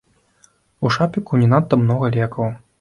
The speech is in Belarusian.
У шапіку не надта многа лекаў.